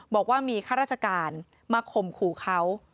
บอกว่ามีข้าราชการมาข่มขู่เขา